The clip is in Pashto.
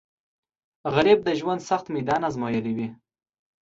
غریب د ژوند سخت میدان ازمویلی وي